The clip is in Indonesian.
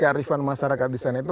jadi kearifan masyarakat di sana itu